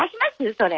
それ。